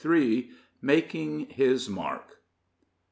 MAKING HIS MARK.